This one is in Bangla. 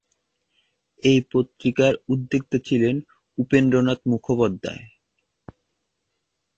এই পত্রিকার উদ্যোক্তা ছিলেন উপেন্দ্রনাথ মুখোপাধ্যায়।